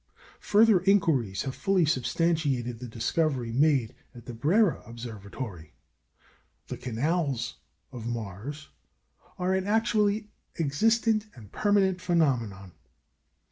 Further inquiries have fully substantiated the discovery made at the Brera Observatory. The "canals" of Mars are an actually existent and permanent phenomenon.